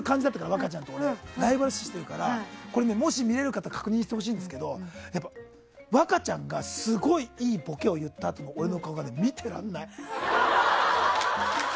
若ちゃんと俺ライバル視してるからもし見れる方は確認してほしいんですけど若ちゃんがすごくいいボケを言ったあとの俺の顔が見てられない。